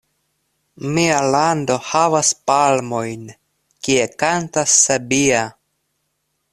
Mia lando havas palmojn, Kie kantas sabia!